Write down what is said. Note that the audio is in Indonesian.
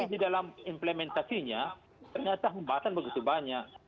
tapi di dalam implementasinya ternyata tempatan begitu banyak